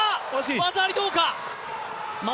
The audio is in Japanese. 技ありかどうか。